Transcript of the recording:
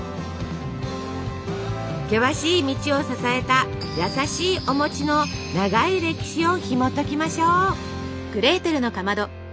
険しい道を支えた優しいおの長い歴史をひもときましょう。